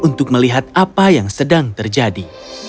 untuk melihat apa yang sedang terjadi